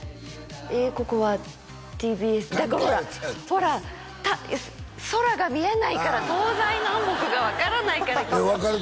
えここはＴＢＳここほらほら空が見えないから東西南北が分からないから分かる？